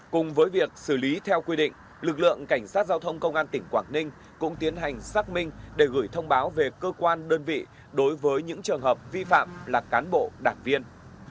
cùng với việc xử lý theo quy định lực lượng cảnh sát giao thông công an tỉnh quảng ninh cũng tiến hành xác minh để gửi thông báo về cơ quan đơn vị đối với những trường hợp vi phạm là cán bộ đảng viên